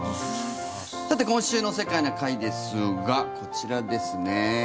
今週の「世界な会」ですがこちらですね。